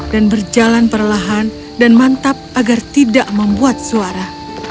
dan berjalan perlahan dan mantap agar tidak membuat suara